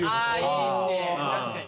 いいですね、確かに。